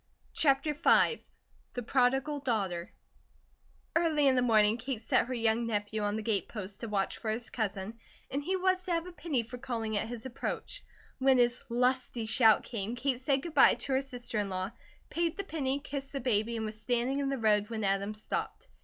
CHAPTER V THE PRODIGAL DAUGHTER EARLY in the morning Kate set her young nephew on the gate post to watch for his cousin, and he was to have a penny for calling at his approach. When his lusty shout came, Kate said good bye to her sister in law, paid the penny, kissed the baby, and was standing in the road when Adam stopped.